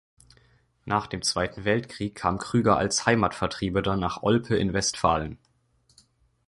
Nach dem Zweiten Weltkrieg kam Krüger als Heimatvertriebener nach Olpe in Westfalen.